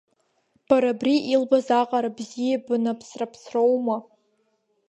Бара, абри илбаз аҟара бзиа баны аԥсра ԥсроума?